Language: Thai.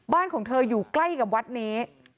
ของเธออยู่ใกล้กับวัดนี้